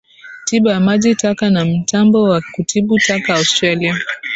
Tiba ya maji taka na mtambo wa kutibu taka Australia